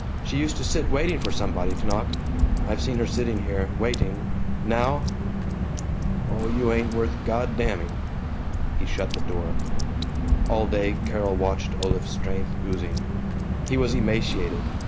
She used to sit waiting for somebody to knock. I've seen her sitting here, waiting. Now Oh, you ain't worth God damning." He shut the door. All day Carol watched Olaf's strength oozing. He was emaciated.